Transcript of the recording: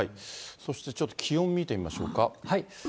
そしてちょっと気温見てみましょうか。